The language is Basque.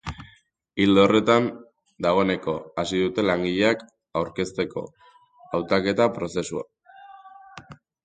Ildo horretan, dagoeneko hasi dute langileak aukeratzeko hautaketa prozesua.